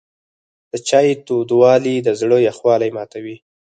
د چای تودوالی د زړه یخوالی ماتوي.